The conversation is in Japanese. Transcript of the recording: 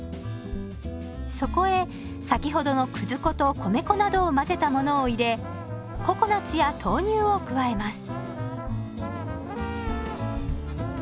そこへ先ほどのくず粉と米粉などを混ぜたものを入れココナツや豆乳を加えます。